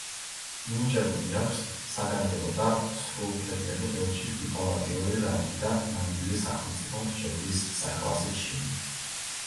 მინიჭებული აქვს საგანგებო და სრულუფლებიანი ელჩის დიპლომატიური რანგი და ნამდვილი სახელმწიფო მრჩევლის საკლასო ჩინი.